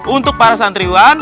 untuk para santriwan